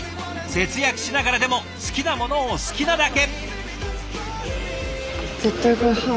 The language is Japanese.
節約しながらでも好きなものを好きなだけ！